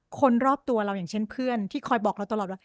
คนรอบตัวเราอย่างเช่นเพื่อนที่คอยบอกเราตลอดว่า